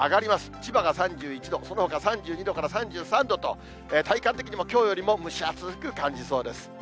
千葉が３１度、そのほか３２度から３３度と、体感的にも、きょうよりも蒸し暑く感じそうです。